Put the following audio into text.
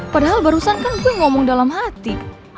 padahal barusan kan gue ngomong dalam hati